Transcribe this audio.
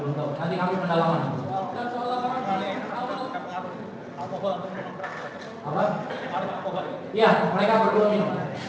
untuk memastikan yang sama